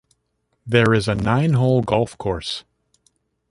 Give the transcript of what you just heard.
There is a nine-hole golf course.